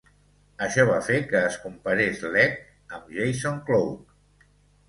Això va fer que es comparés Letch amb Jason Cloke.